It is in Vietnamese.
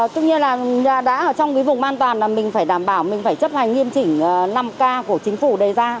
tức như là đã ở trong cái vùng an toàn là mình phải đảm bảo mình phải chấp hành nghiêm chỉnh năm k của chính phủ đầy ra